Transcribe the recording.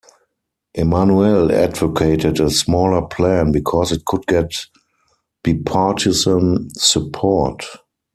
Emanuel advocated a smaller plan because it could get bipartisan support.